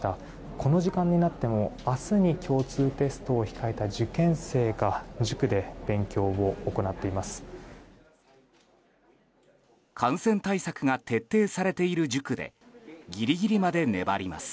この時間になっても明日に共通テストを控えた受験生が勉強を行っています。